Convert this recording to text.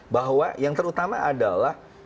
bahwa yang terutama adalah